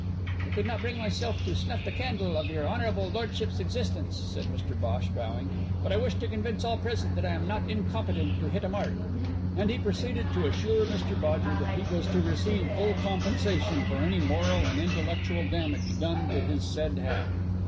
"I could not bring myself to snuff the candle of your honble lordship's existence," said Mr Bhosh, bowing, "but I wished to convince all present that I am not incompetent to hit a mark." And he proceeded to assure Mr Bodger that he was to receive full compensation for any moral and intellectual damage done to his said hat.